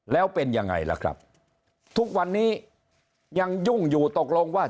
แล้วเป็นยังไงล่ะครับทุกวันนี้ยังยุ่งอยู่ตกลงว่า